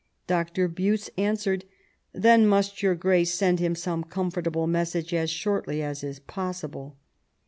Doctor Buttes answered, "Then must your Grace send him some comfortable message as shortly as is possible."